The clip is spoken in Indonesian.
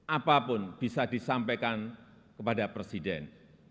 apapun bisa disampaikan kepada presiden